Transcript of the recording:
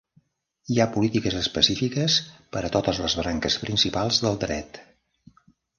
Hi ha polítiques específiques per a totes les branques principals del Dret.